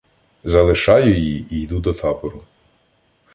Залишаю її і йду до табору.